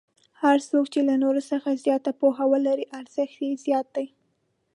هر څوک چې له نورو څخه زیاته پوهه ولري ارزښت یې زیات دی.